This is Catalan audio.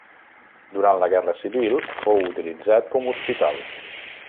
Durant la guerra civil fou utilitzat com hospital.